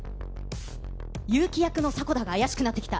結城役の迫田が怪しくなってきた。